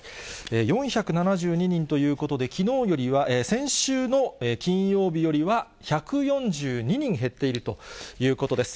４７２人ということで、きのうよりは、先週の金曜日よりは、１４２人減っているということです。